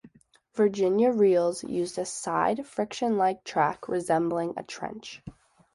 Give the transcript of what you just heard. Virginia Reels used a side friction-like track resembling a trench.